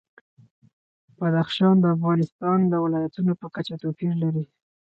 بدخشان د افغانستان د ولایاتو په کچه توپیر لري.